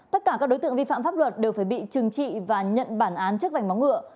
tất cả các đối tượng vi phạm pháp luật đều phải bị trừng trị và nhận bản án trước vành máu ngựa